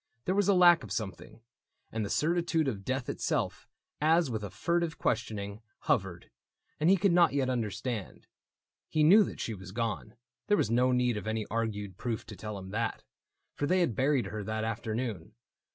There was a lack Of something ; and the certitude of death Itself, as with a furtive questioning. Hovered, and he could not yet understand. He knew that she was gone — there was no need Of any argued proof to tell him that. For they had buried her that afternoon.